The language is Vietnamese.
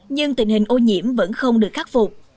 nhưng tình hình ô nhiễm vẫn không được khắc phục